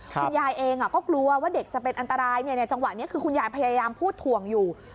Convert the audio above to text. คุณยายเองก็กลัวว่าเด็กจะเป็นอันตรายจังหวะนี้คือคุณยายพยายามพูดถ่วงอยู่